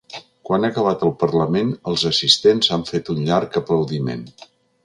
Quan ha acabat el parlament els assistents han fet un llarg aplaudiment.